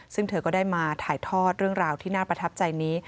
ซึ่งเธอก็ได้มาถ่ายทอดเรื่องราวที่น่าประทับใจนี้